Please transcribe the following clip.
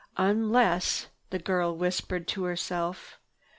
"Unless—" the girl whispered to herself.